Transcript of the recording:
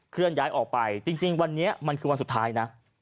เลื่อนย้ายออกไปจริงวันนี้มันคือวันสุดท้ายนะ